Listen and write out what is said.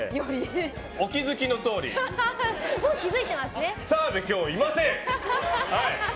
お気づきのとおり澤部は今日、いません！